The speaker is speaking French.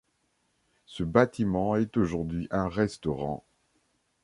Ce bâtiment est aujourd'hui un restaurant.